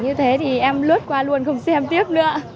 như thế thì em lướt qua luôn không xem tiếc nữa